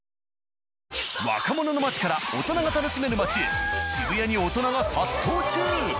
若者の街から家族連れでも楽しめる街へ渋谷に大人が殺到中。